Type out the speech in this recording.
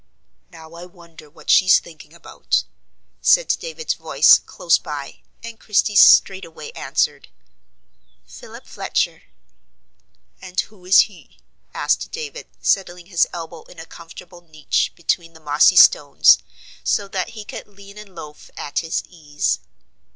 "Now I wonder what she's thinking about," said David's voice close by, and Christie straightway answered: "Philip Fletcher." "And who is he?" asked David, settling his elbow in a comfortable niche between the mossy stones, so that he could "lean and loaf" at his ease.